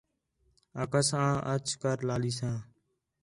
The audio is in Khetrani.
آکھاس آں اَچ کر لالیساں